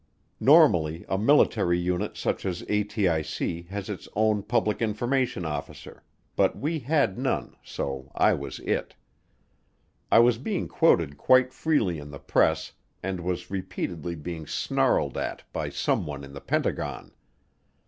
Normally a military unit such as ATIC has its own public information officer, but we had none so I was it. I was being quoted quite freely in the press and was repeatedly being snarled at by someone in the Pentagon.